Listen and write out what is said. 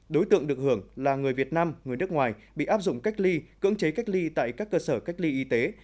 đối tượng được hưởng là người việt nam người nước ngoài bị áp dụng cách ly cưỡng chế cách ly tại các cơ sở cách ly y tế